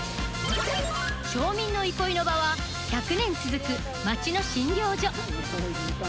町民の憩いの場は１００年続く町の診療所。